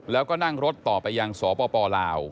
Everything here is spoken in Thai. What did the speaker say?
แล้วก็นั่งรถต่อไปยังสปลาว